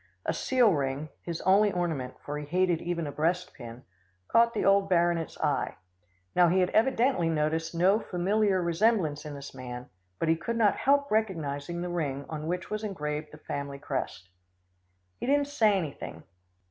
A seal ring, his only ornament, for he hated even a breast pin, caught the old baronet's eye. Now he had evidently noticed no familiar resemblance in this man, but he could not help recognising the ring on which was engraved the family crest. He didn't say anything.